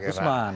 komisi om busman